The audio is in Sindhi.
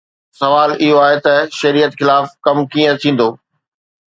سوال اهو آهي ته شريعت خلاف ڪم ڪيئن ٿيندو؟